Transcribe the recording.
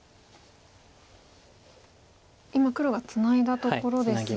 今黒がツナいだところですが。